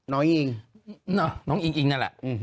น้องอิงน้องอิงนั่นแหละ